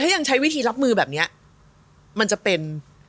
ถ้ายังใช้วิธีรับมือแบบนี้มันจะเป็น